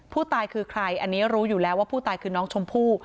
ผู้ตายคือใครอันนี้รู้อยู่แล้วว่าผู้ตายคือน้องชมพู่